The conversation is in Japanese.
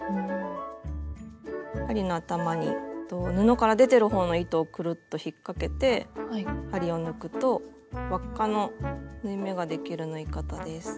針の頭に布から出てるほうの糸をくるっと引っ掛けて針を抜くと輪っかの縫い目ができる縫い方です。